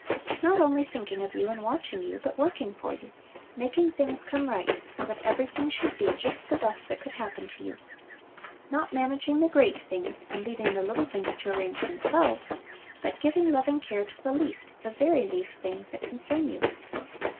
Not only thinking of you and watching you, but working for you; making things come right, so that everything should be just the best that could happen to you. Not managing the great things, and leaving the little things to arrange themselves; but giving loving care to the least, the very least things that concern you.